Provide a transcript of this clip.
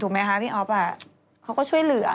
ที่อ๊อฟมันจะให้แอ๊ออฟมันก็ไม่ให้หรือ